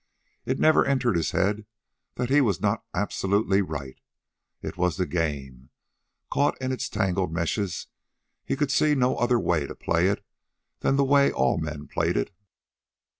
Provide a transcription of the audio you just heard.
It never entered his head that he was not absolutely right. It was the game. Caught in its tangled meshes, he could see no other way to play it than the way all men played it.